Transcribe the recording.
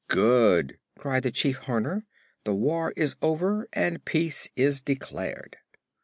"Good!" cried the Chief Horner. "The war is over and peace is declared."